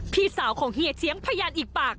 พี่สาวของเฮียเชียงพยานอีกปาก